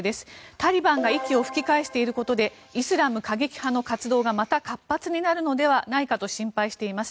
タリバンが息を吹き返していることでイスラム過激派の活動がまた活発になるのではと心配しています。